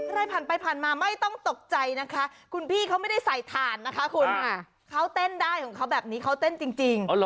ใครผ่านไปผ่านมาไม่ต้องตกใจนะคะคุณพี่เขาไม่ได้ใส่ถ่านนะคะคุณเขาเต้นได้ของเขาแบบนี้เขาเต้นจริง